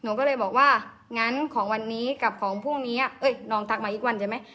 หนูก็เลยบอกว่างั้นของวันนี้กับของพรุ่งนี้น้องทักมาอีกวันได้ไหม